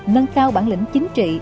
nâng cao bản lĩnh chính trị